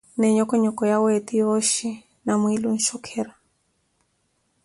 na enhokonhoko yawe eti yooshi na mwiili onshokhera.